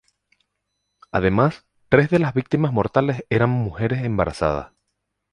Además, tres de las víctimas mortales eran mujeres embarazadas.